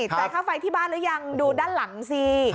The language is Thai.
จ่ายค่าไฟที่บ้านหรือยังดูด้านหลังสิ